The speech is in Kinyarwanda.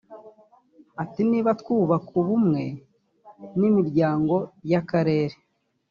Ati “…Niba twubaka ubumwe n’imiryango y’akarere